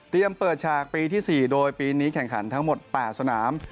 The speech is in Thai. เปิดฉากปีที่๔โดยปีนี้แข่งขันทั้งหมด๘สนาม